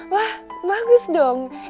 wah bagus dong